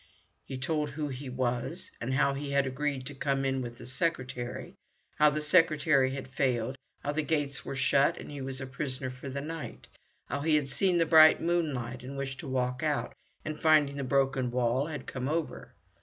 He told who he was, and how he had agreed to come in with the secretary; how the secretary had failed; how the gates were shut and he was a prisoner for the night; how he had seen the bright moonlight and wished to walk out, and, finding the broken wall, had come over.